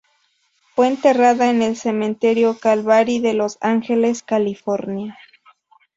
Fue enterrada en el Cementerio Calvary de Los Ángeles, California.